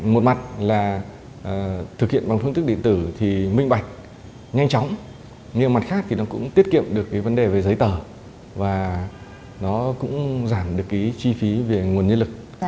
một mặt là thực hiện bằng phương thức điện tử thì minh bạch nhanh chóng nhưng mặt khác thì nó cũng tiết kiệm được cái vấn đề về giấy tờ và nó cũng giảm được cái chi phí về nguồn nhân lực